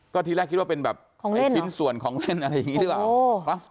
ก็ทีแรกคิดว่าเป็นแบบชิ้นส่วนของเล่นอะไรอย่างนี้หรือเปล่า